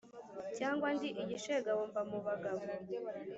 Cyangwa ndi igishegabo mba mu bagabo